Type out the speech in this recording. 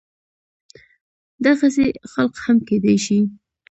دغسې خلق هم کيدی شي